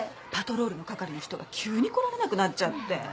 パトロールの係の人が急に来られなくなっちゃって。